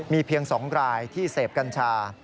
มีเพียง๒รายที่เสพกัญชา